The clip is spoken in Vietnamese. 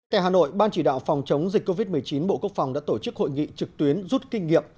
tại hà nội ban chỉ đạo phòng chống dịch covid một mươi chín bộ quốc phòng đã tổ chức hội nghị trực tuyến rút kinh nghiệm